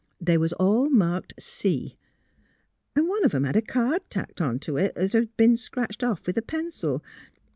They was all marked C. and one of 'em had a card tacked on to it 'at had b'en scratched off with a pencil.